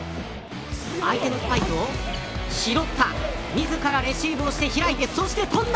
相手のスパイクを拾った自らレシーブをして、開いてそして飛んだ。